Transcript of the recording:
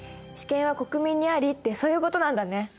「主権は国民にあり」ってそういうことなんだね。